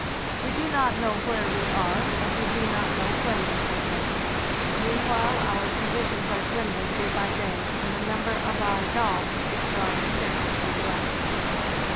We do not know where we are, and we do not know when this will end. Meanwhile our provisions are dwindling day by day, and the number of our dogs is growing seriously less.